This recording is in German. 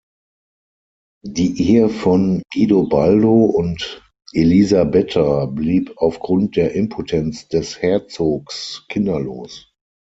Die Ehe von Guidobaldo und Elisabetta blieb aufgrund der Impotenz des Herzogs kinderlos.